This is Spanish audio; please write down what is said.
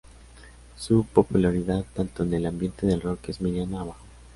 Su popularidad tanto en el ambiente del rock es mediana a baja.